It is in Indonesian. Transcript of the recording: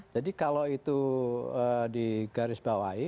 jadi kalau itu digarisbawahi